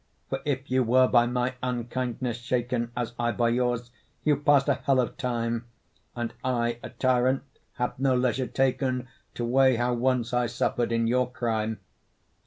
For if you were by my unkindness shaken, As I by yours, you've pass'd a hell of time; And I, a tyrant, have no leisure taken To weigh how once I suffer'd in your crime.